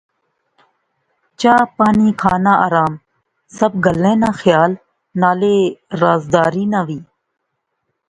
چاء پانی، کھانا آرام۔۔۔ سب گلیں ناں خیال۔ نالے رازداری ناں وی